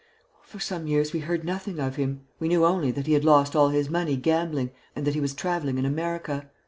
"For some years we heard nothing of him. We knew only that he had lost all his money gambling and that he was travelling in America.